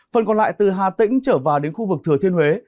phần còn lại từ hà tĩnh trở vào đến khu vực thừa thiên huế